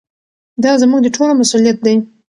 دا زموږ د ټولو مسؤلیت دی.